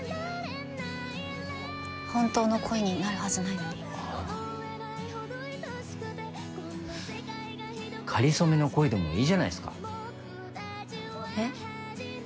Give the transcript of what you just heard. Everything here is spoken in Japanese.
本当の恋になるはずないのにかりそめの恋でもいいじゃないですかえっ？